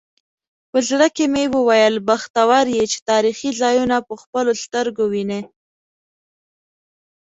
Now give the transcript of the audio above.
په زړه کې مې وویل بختور یې چې تاریخي ځایونه په خپلو سترګو وینې.